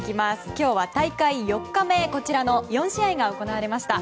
今日は、大会４日目こちらの４試合が行われました。